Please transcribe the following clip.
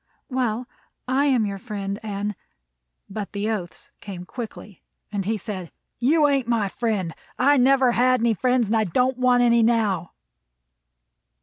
"Well, I am your friend, and " But the oaths came quickly, and he said: "You ain't my friend. I never had any friends, and I don't want any now."